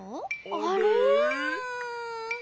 あれ？